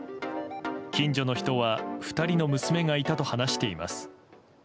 近所の人は２人の娘がいたと話しています。